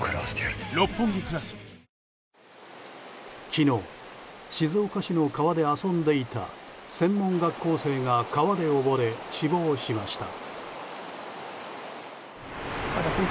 昨日、静岡市の川で遊んでいた専門学校生が川で溺れ死亡しました。